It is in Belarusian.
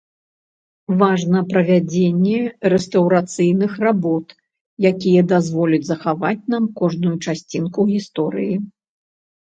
Важна правядзенне рэстаўрацыйных работ, якія дазволяць захаваць нам кожную часцінку гісторыі.